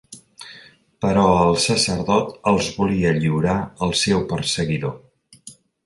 Però el sacerdot els volia lliurar al seu perseguidor.